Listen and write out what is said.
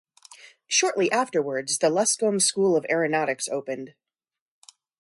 Shortly afterwards, the Luscombe School of Aeronautics opened.